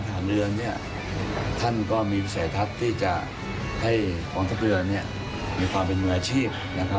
ฐานเรือท่านก็มีวิสัยทัศน์ที่จะให้กองทัพเรือมีความเป็นมืออาชีพ